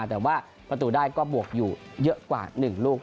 รัชศรีมาแต่ว่าประตูด้ายก็บวกอยู่เยอะกว่า๑ลูก